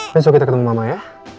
besok kita ketemu mama ya